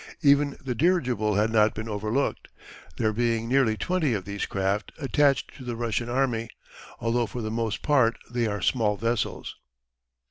Even the dirigible had not been overlooked, there being nearly 20 of these craft attached to the Russian Army, although for the most part they are small vessels.